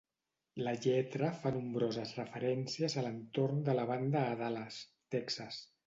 La lletra fa nombroses referències a l'entorn de la banda a Dallas, Texas.